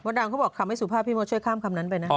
ดำเขาบอกคำให้สุภาพพี่มดช่วยข้ามคำนั้นไปนะ